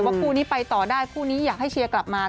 คู่นี้ไปต่อได้คู่นี้อยากให้เชียร์กลับมา